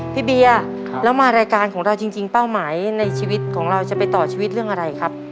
เบียร์แล้วมารายการของเราจริงเป้าหมายในชีวิตของเราจะไปต่อชีวิตเรื่องอะไรครับ